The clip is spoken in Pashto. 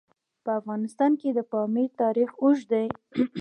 په افغانستان کې د پامیر تاریخ اوږد دی.